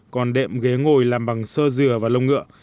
còn đệm ghế ngồi làm bằng sơ dừa và lông ngựa